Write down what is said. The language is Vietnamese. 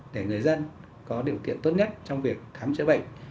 để người dân có điều kiện tốt nhất trong việc khám chữa bệnh